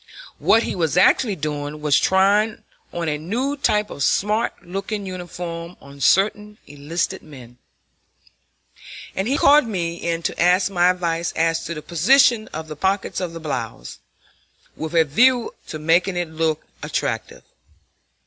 What he was actually doing was trying on a new type of smart looking uniform on certain enlisted men; and he called me in to ask my advice as to the position of the pockets in the blouse, with a view to making it look attractive.